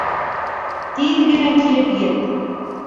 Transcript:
Тиҙ генә килеп ет.